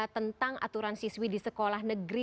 tentang aturan siswi di sekolah negeri